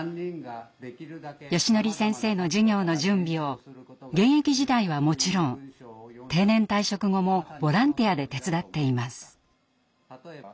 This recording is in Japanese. よしのり先生の授業の準備を現役時代はもちろん定年退職後もボランティアで手伝っています。